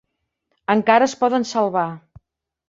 Encara es poden salvar.